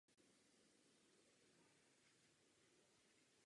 Na otázku mysli a duše navázala v moderní době filosofie umělé inteligence.